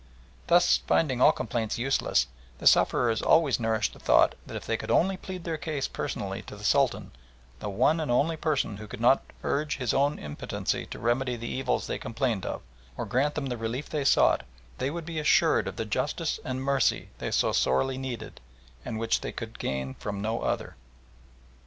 Thus finding all complaints useless, the sufferers always nourished the thought that if they could only plead their case personally to the Sultan, the one and only person who could not urge his own impotency to remedy the evils they complained of, or grant them the relief they sought, they would be assured of the justice and mercy they so sorely needed, and which they could gain from no other.